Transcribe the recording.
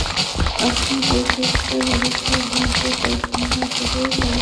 আপনারা ক্রিকেটারদের বাড়িঘর ভাঙচুর করবেন না, তাঁদের গাড়িতে আগুন দেবেন না।